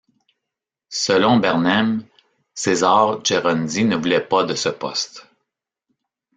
Selon Bernheim, Cesare Geronzi ne voulait pas de ce poste.